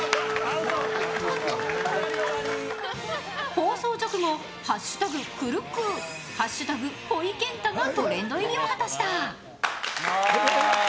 放送直後、「＃くるっくぅ」「＃ほいけんた」がトレンド入りを果たした！